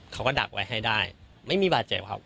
เขาก็ดักไว้ให้ได้ไม่มีบาดเจ็บครับ